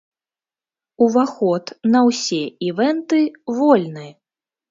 Уваход на ўсе івэнты вольны.